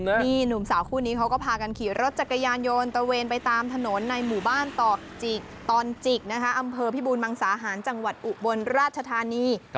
นี่หนุ่มสาวคู่นี้เค้าขากระปอมกลับขี่รถจักรยานโยนตะเวนไปตามถนนอำเภอพี่บูรณ์มังสาหานอุบลราชาธานี